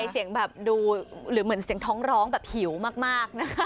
เสียงแบบดูหรือเหมือนเสียงท้องร้องแบบหิวมากนะคะ